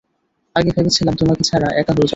আগে ভেবেছিলাম তোমাকে ছাড়া একা হয়ে যাবো।